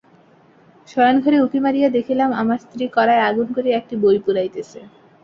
শয়নঘরে উঁকি মারিয়া দেখিলাম, আমার স্ত্রী কড়ায় আগুন করিয়া একটি বই পুড়াইতেছে।